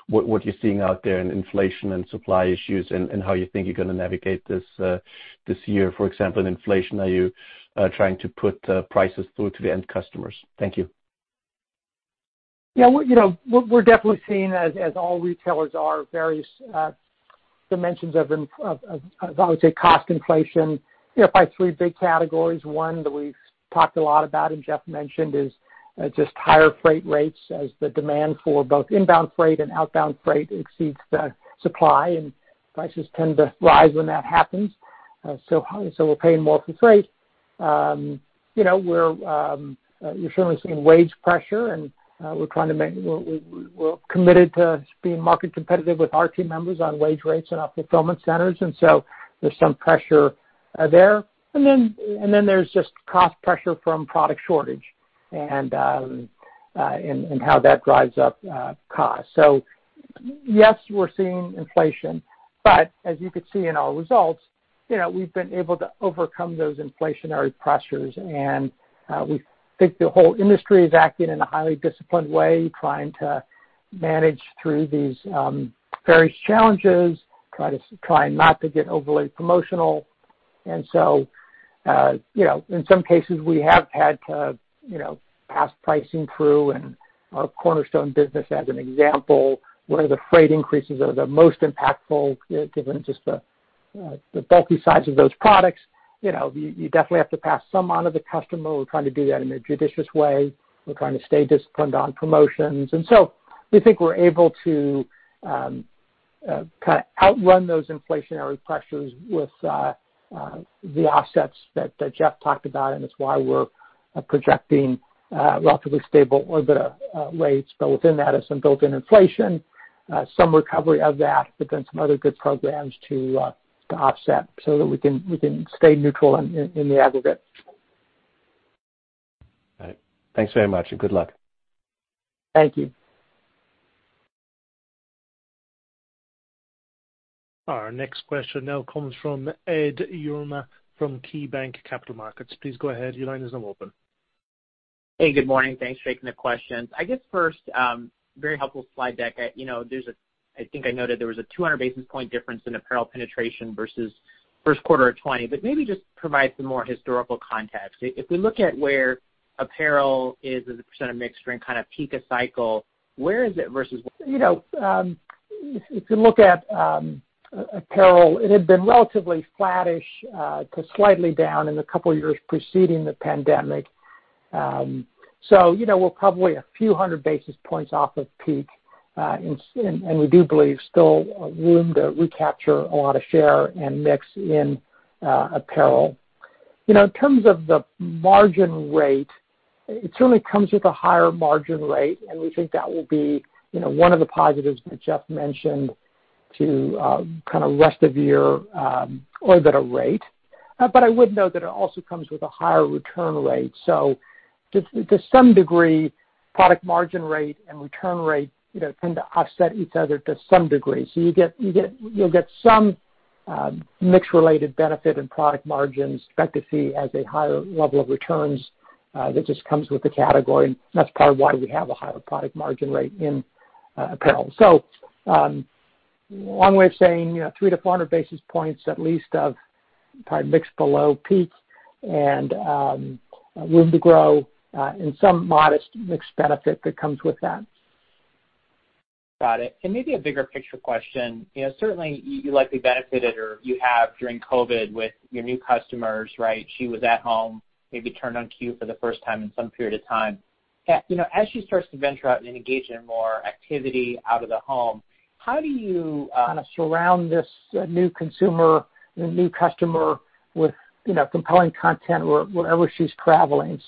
what you're seeing out there in inflation and supply issues, and how you think you're going to navigate this year. For example, in inflation, are you trying to put prices through to the end customers? Thank you. We're definitely seeing, as all retailers are, various dimensions of, I would say, cost inflation by three big categories. One that we've talked a lot about, and Jeff mentioned, is just higher freight rates as the demand for both inbound freight and outbound freight exceeds the supply, and prices tend to rise when that happens. We're paying more for freight. You're certainly seeing wage pressure, and we're committed to being market competitive with our team members on wage rates in our fulfillment centers, and so there's some pressure there. There's just cost pressure from product shortage and how that drives up cost. Yes, we're seeing inflation. As you could see in our results, we've been able to overcome those inflationary pressures. We think the whole industry is acting in a highly disciplined way, trying to manage through these various challenges, trying not to get overly promotional. In some cases, we have had to pass pricing through in our Cornerstone business, as an example, where the freight increases are the most impactful given just the bulky size of those products. You definitely have to pass some onto the customer. We're trying to do that in a judicious way. We're trying to stay disciplined on promotions. We think we're able to outrun those inflationary pressures with the offsets that Jeff talked about, and it's why we're projecting relatively stable OIBDA rates. Within that is some built-in inflation, some recovery of that, but then some other good programs to offset so that we can stay neutral in the aggregate. All right. Thanks very much, and good luck. Thank you. Our next question now comes from Edward Yruma from KeyBanc Capital Markets. Hey, good morning. Thanks for taking the questions. I guess first, very helpful slide deck. I think I noted there was a 200 basis point difference in apparel penetration versus first quarter of 2020. Maybe just provide some more historical context. If we look at where apparel is as a percentage of mix during peak a cycle, where is it versus? If you look at apparel, it had been relatively flattish to slightly down in the couple of years preceding the pandemic. We're probably a few hundred basis points off of peak. We do believe still room to recapture a lot of share and mix in apparel. In terms of the margin rate, it certainly comes with a higher margin rate, and we think that will be one of the positives that Jeff mentioned to rest of year OIBDA rate. I would note that it also comes with a higher return rate. To some degree, product margin rate and return rate tend to offset each other to some degree. You'll get some mix-related benefit and product margins, but to see as a higher level of returns, that just comes with the category, and that's part of why we have a higher product margin rate in apparel. One way of saying, 300 basis points-400 basis points at least of probably mix below peak and room to grow, and some modest mix benefit that comes with that. Got it. Maybe a bigger picture question, certainly you likely benefited or you have during COVID with your new customers, right? She was at home, maybe turned on Q for the first time in some period of time. As she starts to venture out and engage in more activity out of the home, how do you- Kind of surround this new consumer, the new customer with compelling content wherever she's traveling.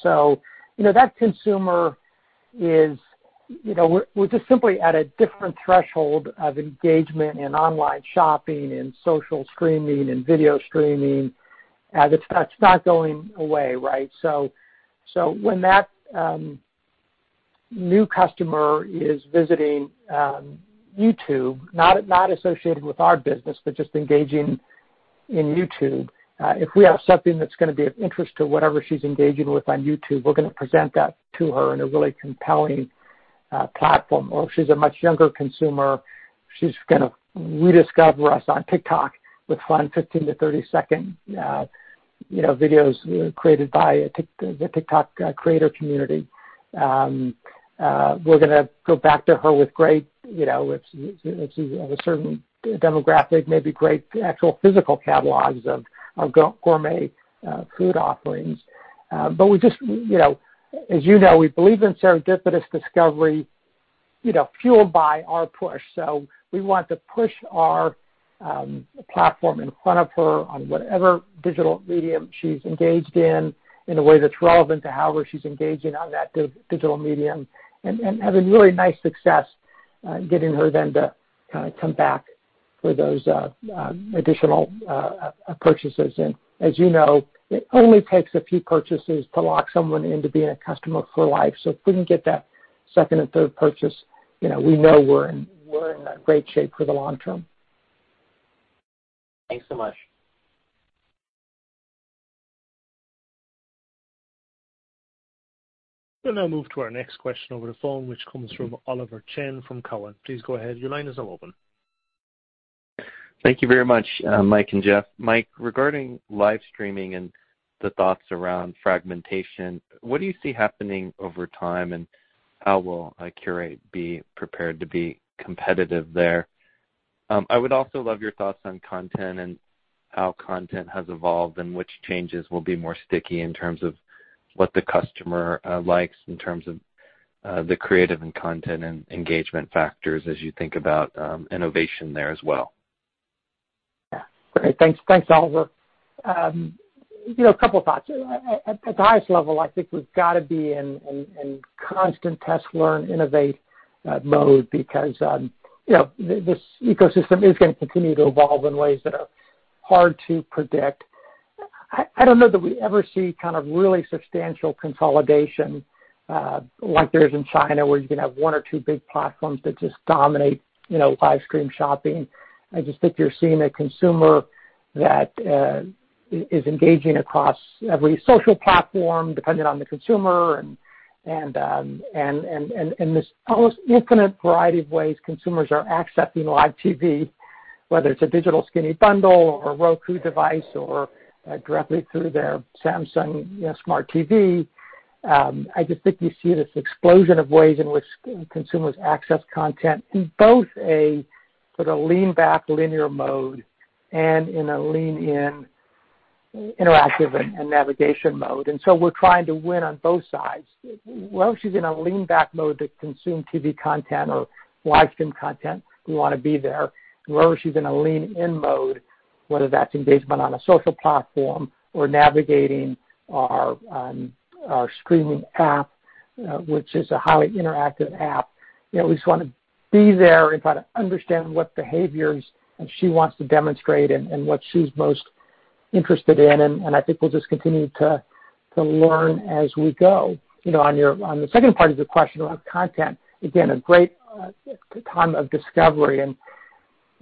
We're just simply at a different threshold of engagement in online shopping, in social streaming, in video streaming. That's not going away, right? When that new customer is visiting YouTube, not associated with our business, but just engaging in YouTube. If we have something that's going to be of interest to whatever she's engaging with on YouTube, we're going to present that to her in a really compelling platform. Or if she's a much younger consumer, she's going to rediscover us on TikTok with fun 15 to 30-second videos created by the TikTok creator community. We're going to go back to her with great, if she's of a certain demographic, maybe great actual physical catalogs of gourmet food offerings. As you know, we believe in serendipitous discovery fueled by our push. We want to push our platform in front of her on whatever digital medium she's engaged in a way that's relevant to however she's engaging on that digital medium, and having really nice success getting her then to come back for those additional purchases. As you know, it only takes a few purchases to lock someone into being a customer for life. If we can get that second and third purchase, we know we're in great shape for the long term. Thanks so much. We'll now move to our next question over the phone, which comes from Oliver Chen from Cowen. Please go ahead. Thank you very much, Mike and Jeff. Mike, regarding live streaming and the thoughts around fragmentation, what do you see happening over time, and how will Qurate be prepared to be competitive there? I would also love your thoughts on content and how content has evolved and which changes will be more sticky in terms of what the customer likes in terms of the creative and content and engagement factors as you think about innovation there as well. Yeah. Great. Thanks, Oliver. A couple of thoughts. At the highest level, I think we've got to be in constant test, learn, innovate mode because this ecosystem is going to continue to evolve in ways that are hard to predict. I don't know that we ever see kind of really substantial consolidation like there is in China, where you can have one or two big platforms that just dominate live stream shopping. I just think you're seeing a consumer that is engaging across every social platform, depending on the consumer, and this almost infinite variety of ways consumers are accessing live TV, whether it's a digital skinny bundle or a Roku device or directly through their Samsung Smart TV. I just think you see this explosion of ways in which consumers access content in both a sort of lean-back linear mode and in a lean-in interactive and navigation mode. We're trying to win on both sides. Whether she's in a lean-back mode to consume TV content or live stream content, we want to be there. Whether she's in a lean-in mode, whether that's engagement on a social platform or navigating our streaming app, which is a highly interactive app, we just want to be there and try to understand what behaviors she wants to demonstrate and what she's most interested in, and I think we'll just continue to learn as we go. On the second part of the question around content, again, a great time of discovery, and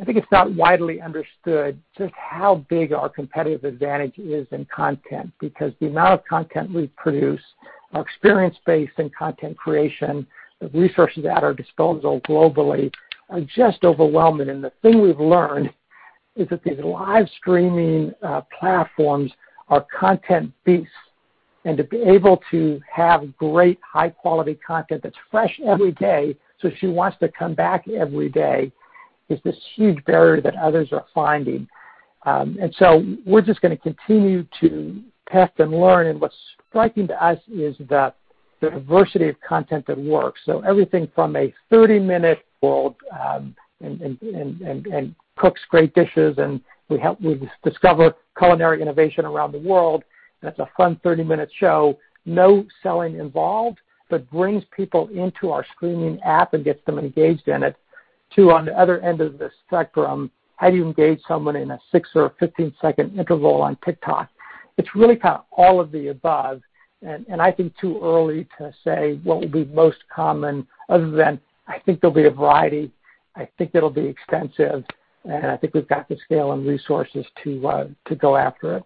I think it's not widely understood just how big our competitive advantage is in content because the amount of content we produce, our experience base in content creation, the resources at our disposal globally are just overwhelming. The thing we've learned is that these live streaming platforms are content beasts. To be able to have great, high-quality content that's fresh every day, so she wants to come back every day, is this huge barrier that others are finding. We're just going to continue to test and learn. What's striking to us is the diversity of content that works. Everything from a 30-minute world and cooks great dishes, and we discover culinary innovation around the world, and it's a fun 30-minute show. No selling involved, but brings people into our streaming app and gets them engaged in it. Two, on the other end of the spectrum, how do you engage someone in a six or a 15-second interval on TikTok? It's really all of the above, and I think too early to say what will be most common other than I think there'll be a variety. I think it'll be extensive, and I think we've got the scale and resources to go after it.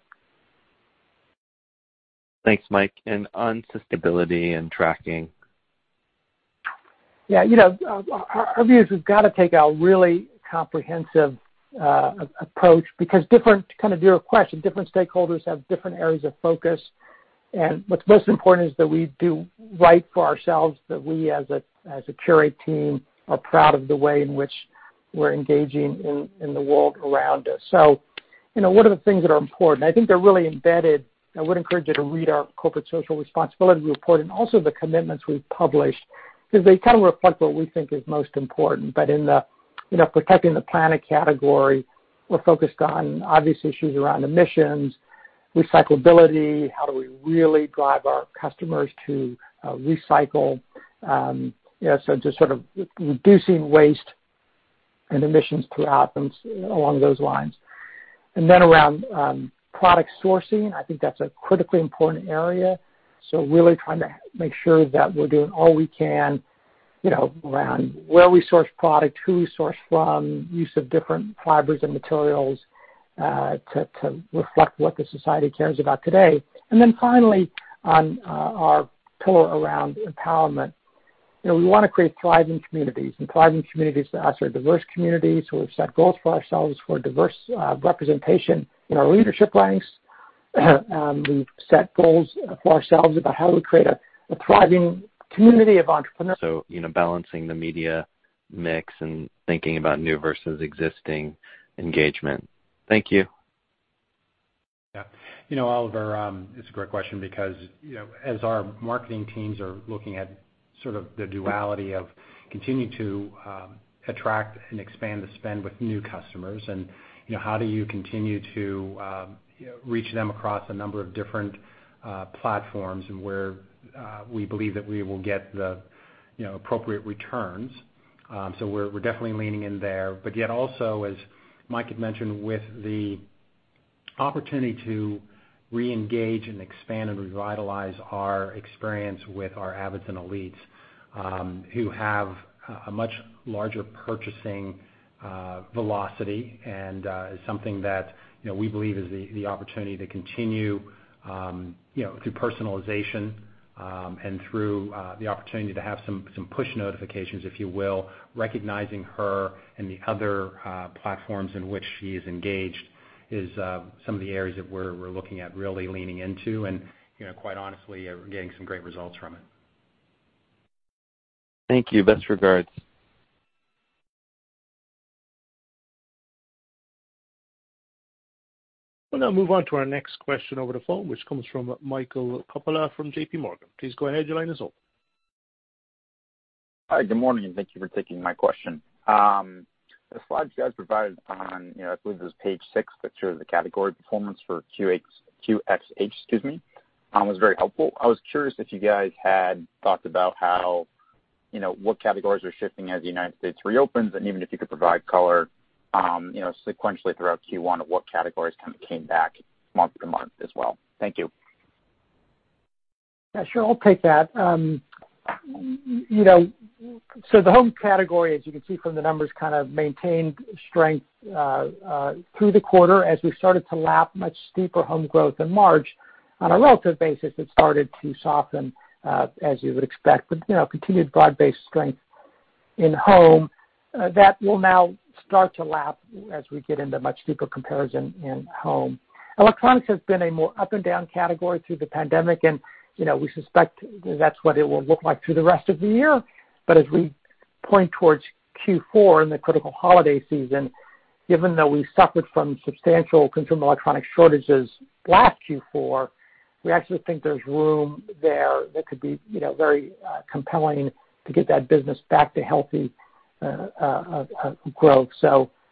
Thanks, Mike. On sustainability and tracking. Yeah. Our view is we've got to take a really comprehensive approach because different, to your question, different stakeholders have different areas of focus. What's most important is that we do right for ourselves, that we, as a Qurate team, are proud of the way in which we're engaging in the world around us. What are the things that are important? I think they're really embedded. I would encourage you to read our corporate social responsibility report and also the commitments we've published because they reflect what we think is most important. In the protecting the planet category, we're focused on obvious issues around emissions, recyclability, how do we really drive our customers to recycle. Just sort of reducing waste and emissions throughout and along those lines. Around product sourcing, I think that's a critically important area. Really trying to make sure that we're doing all we can around where we source product, who we source from, use of different fibers and materials, to reflect what the society cares about today. Then finally, on our pillar around empowerment, we want to create thriving communities. Thriving communities to us are diverse communities. We've set goals for ourselves for diverse representation in our leadership ranks. We've set goals for ourselves about how we create a thriving community of entrepreneurs. Balancing the media mix and thinking about new versus existing engagement. Thank you. Yeah. Oliver, it's a great question because, as our marketing teams are looking at sort of the duality of continuing to attract and expand the spend with new customers and how do you continue to reach them across a number of different platforms and where we believe that we will get the appropriate returns. We're definitely leaning in there. Yet also, as Mike George had mentioned, with the opportunity to reengage and expand and revitalize our experience with our avid and elites, who have a much larger purchasing velocity and is something that we believe is the opportunity to continue through personalization, and through the opportunity to have some push notifications, if you will, recognizing her and the other platforms in which she is engaged is some of the areas that we're looking at really leaning into. Quite honestly, we're getting some great results from it. Thank you. Best regards. We'll now move on to our next question over the phone, which comes from Michael Coppola from JPMorgan. Please go ahead. Your line is open. Hi. Good morning, and thank you for taking my question. The slides you guys provided on, I believe it was page six that showed the category performance for QxH was very helpful. I was curious if you guys had thought about what categories are shifting as the United States reopens, and even if you could provide color sequentially throughout Q1 of what categories came back month-to-month as well. Thank you. Yeah, sure. I'll take that. The home category, as you can see from the numbers, kind of maintained strength through the quarter. As we started to lap much steeper home growth in March, on a relative basis, it started to soften as you would expect. Continued broad-based strength in home that will now start to lap as we get into much deeper comparison in home. Electronics has been a more up-and-down category through the pandemic, and we suspect that's what it will look like through the rest of the year. As we point towards Q4 and the critical holiday season, even though we suffered from substantial consumer electronic shortages last Q4, we actually think there's room there that could be very compelling to get that business back to healthy growth.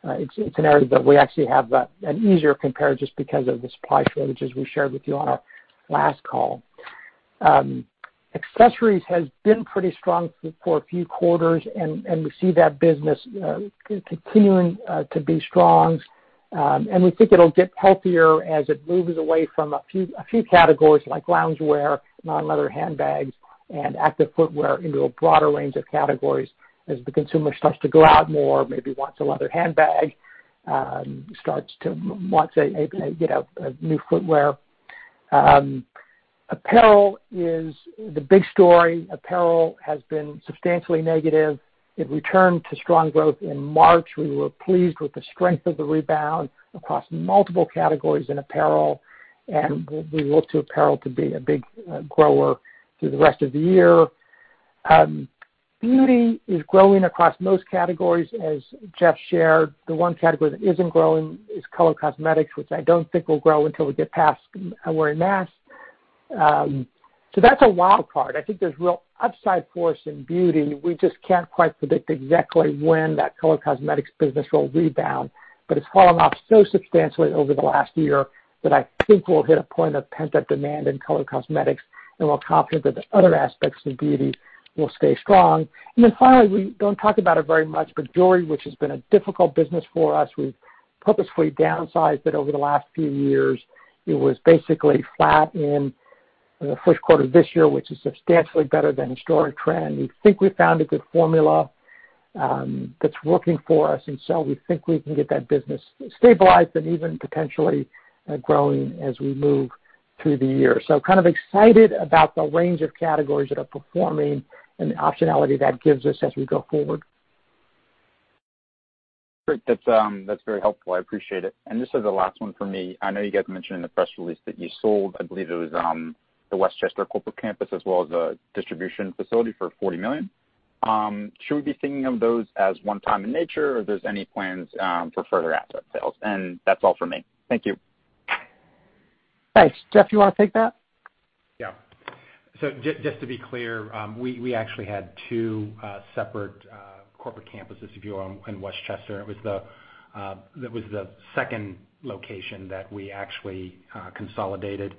It's an area that we actually have an easier compare just because of the supply shortages we shared with you on our last call. Accessories has been pretty strong for a few quarters, and we see that business continuing to be strong. We think it'll get healthier as it moves away from a few categories like loungewear, non-leather handbags, and active footwear into a broader range of categories as the consumer starts to go out more, maybe wants a leather handbag, starts to want new footwear. Apparel is the big story. Apparel has been substantially negative. It returned to strong growth in March. We were pleased with the strength of the rebound across multiple categories in apparel, and we look to apparel to be a big grower through the rest of the year. Beauty is growing across most categories as Jeff Davis shared. The one category that isn't growing is color cosmetics, which I don't think will grow until we get past wearing masks. That's a wild card. I think there's real upside for us in beauty. We just can't quite predict exactly when that color cosmetics business will rebound. It's fallen off so substantially over the last year that I think we'll hit a point of pent-up demand in color cosmetics, and we're confident that the other aspects of beauty will stay strong. Finally, we don't talk about it very much, but jewelry, which has been a difficult business for us, we've purposefully downsized it over the last few years. It was basically flat in the first quarter of this year, which is substantially better than historic trend. We think we found a good formula that's working for us. We think we can get that business stabilized and even potentially growing as we move through the year. Kind of excited about the range of categories that are performing and the optionality that gives us as we go forward. Great. That's very helpful. I appreciate it. This is the last one from me. I know you guys mentioned in the press release that you sold, I believe it was the West Chester corporate campus as well as a distribution facility for $40 million. Should we be thinking of those as one time in nature, or there's any plans for further asset sales? That's all from me. Thank you. Thanks. Jeff, you want to take that? Just to be clear, we actually had two separate corporate campuses if you go in West Chester. That was the second location that we actually consolidated.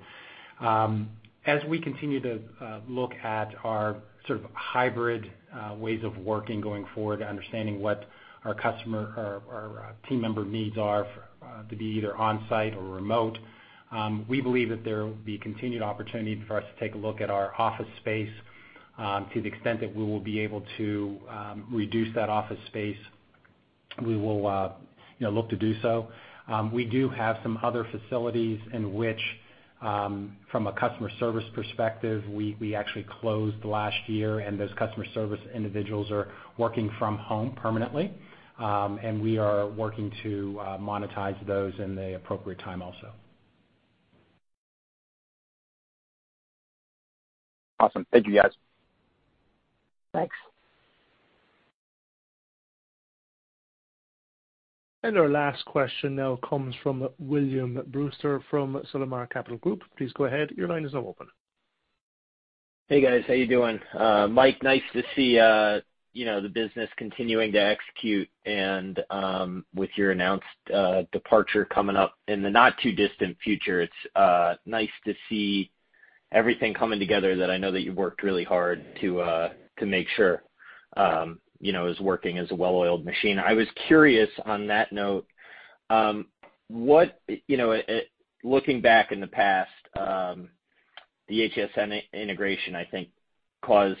As we continue to look at our sort of hybrid ways of working going forward, understanding what our team member needs are to be either on-site or remote, we believe that there will be continued opportunity for us to take a look at our office space. To the extent that we will be able to reduce that office space, we will look to do so. We do have some other facilities in which, from a customer service perspective, we actually closed last year, and those customer service individuals are working from home permanently. We are working to monetize those in the appropriate time also. Awesome. Thank you, guys. Thanks. Our last question now comes from William Brewster from Sullimar Capital Group. Hey, guys. How you doing? Mike, nice to see the business continuing to execute, and with your announced departure coming up in the not too distant future, it's nice to see everything coming together that I know that you've worked really hard to make sure is working as a well-oiled machine. I was curious, on that note, looking back in the past, the HSN integration, I think caused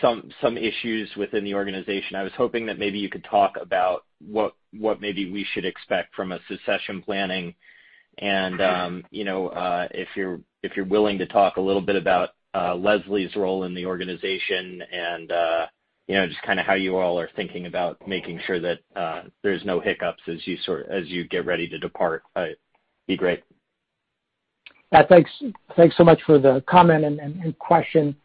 some issues within the organization. I was hoping that maybe you could talk about what maybe we should expect from a succession planning. If you're willing to talk a little bit about Leslie's role in the organization and just kind of how you all are thinking about making sure that there's no hiccups as you get ready to depart. Be great. Thanks so much for the comment and question.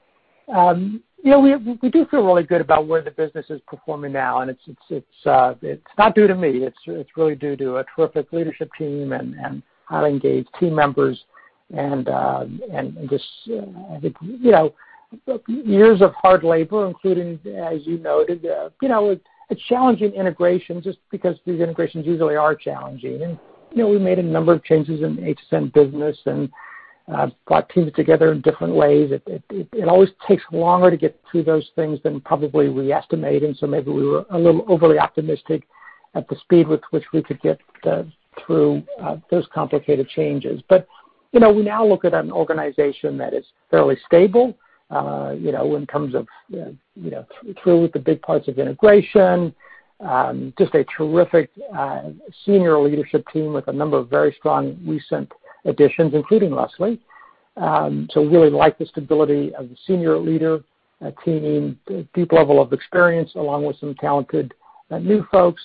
We do feel really good about where the business is performing now, and it's not due to me. It's really due to a terrific leadership team and highly engaged team members and just years of hard labor, including, as you noted, a challenging integration, just because these integrations usually are challenging. We made a number of changes in HSN business and brought teams together in different ways. It always takes longer to get through those things than probably we estimate, and so maybe we were a little overly optimistic at the speed with which we could get through those complicated changes. We now look at an organization that is fairly stable, in terms of through with the big parts of integration, just a terrific senior leadership team with a number of very strong recent additions, including Leslie. Really like the stability of the senior leader team, deep level of experience, along with some talented new folks.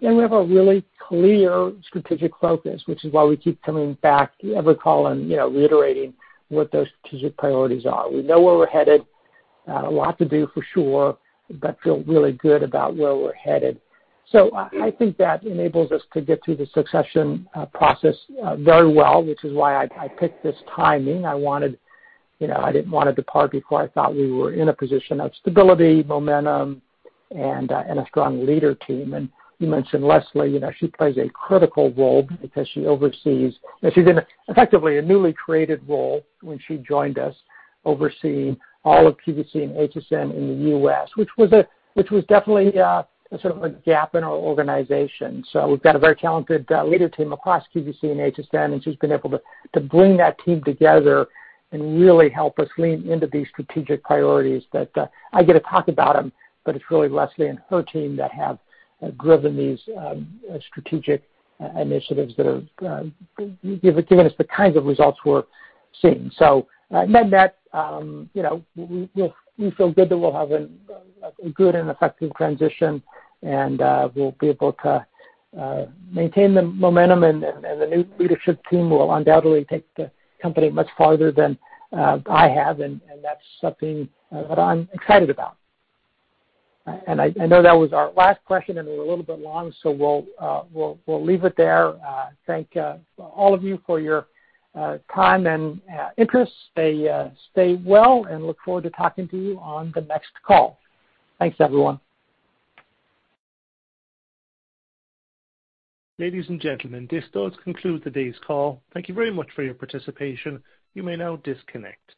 We have a really clear strategic focus, which is why we keep coming back every call and reiterating what those strategic priorities are. We know where we're headed. A lot to do for sure, but feel really good about where we're headed. I think that enables us to get through the succession process very well, which is why I picked this timing. I didn't want to depart before I thought we were in a position of stability, momentum, and a strong leader team. You mentioned Leslie. She plays a critical role because she's in effectively a newly created role when she joined us, overseeing all of QVC and HSN in the U.S., which was definitely a sort of a gap in our organization. We've got a very talented leader team across QVC and HSN, and she's been able to bring that team together and really help us lean into these strategic priorities that I get to talk about them, but it's really Leslie and her team that have driven these strategic initiatives that have given us the kinds of results we're seeing. Net, we feel good that we'll have a good and effective transition, and we'll be able to maintain the momentum, and the new leadership team will undoubtedly take the company much farther than I have, and that's something that I'm excited about. I know that was our last question, and we're a little bit long, so we'll leave it there. Thank all of you for your time and interest. Stay well and look forward to talking to you on the next call. Thanks, everyone. Ladies and gentlemen, this does conclude today's call. Thank you very much for your participation. You may now disconnect.